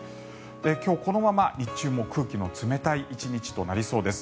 今日、このまま日中も空気の冷たい１日となりそうです。